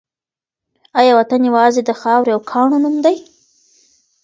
آیا وطن یوازې د خاورې او کاڼو نوم دی؟